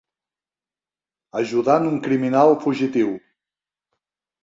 Ajudant un criminal fugitiu.